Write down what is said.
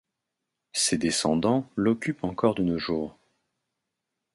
Ses descendants l'occupent encore de nos jours.